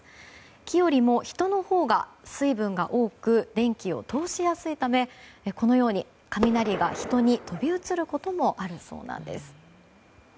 木よりも人のほうが水分が多く電気を通しやすいためこのように雷が人に飛び移ることもあるそうなんです。